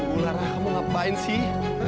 oh lara kamu ngapain sih